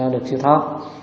được sưu thoát